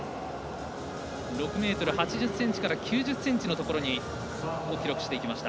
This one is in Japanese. ６ｍ８０ｃｍから９０ｃｍのところを記録していきました。